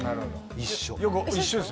一緒です